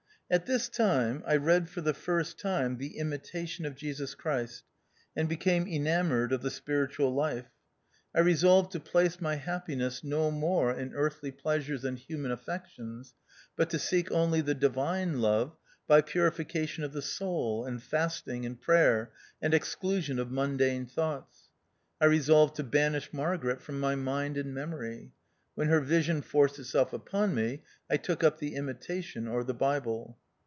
At this time I read for the first time the Imitation of Jesus Christ, and became enamoured of the spiritual life. I resolved THE OUTCAST. 89 to place my happiness no more in earthly pleasures and human affections, but to seek only the divine love by purification of the soul, and fasting, and prayer, and exclusion of mundane thoughts. I resolved to banish Margaret from my mind and memory ; when her vision forced itself upon me, I took up the Imitation or the Bible.